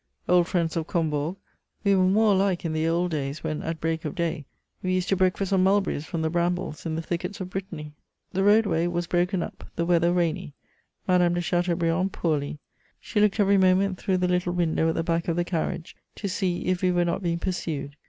Old friends of Combourg, we were more alike in the old days when, at break of day, we used to breakfast on mulberries from the brambles in the thickets of Brittany! The roadway was broken up, the weather rainy, Madame de Chateaubriand poorly: she looked every moment through the little window at the back of the carnage to see if we were not being pursued.